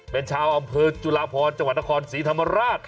เป็นชาวอำเภอจุลาพรจังหวัดนครศรีธรรมราช